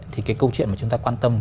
thì cái câu chuyện mà chúng ta quan tâm